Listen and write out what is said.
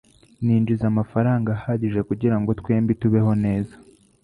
Ninjiza amafaranga ahagije kugirango twembi tubeho neza.